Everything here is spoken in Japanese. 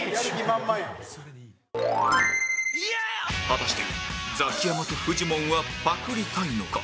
果たしてザキヤマとフジモンはパクりたいのか？